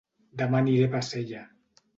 Dema aniré a Bassella